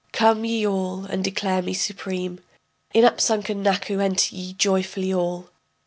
Come, ye all, and declare me supreme, In Upsukkenaku enter ye joyfully all.